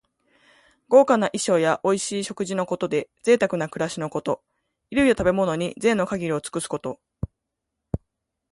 豪華な衣装やおいしい食事のことで、ぜいたくな暮らしのこと。衣類や食べ物に、ぜいの限りを尽くすこと。